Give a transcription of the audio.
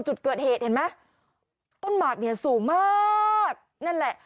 จุดเกิดเหตุเห็นไหมต้นหมากเนี่ยสูงมากนั่นแหละ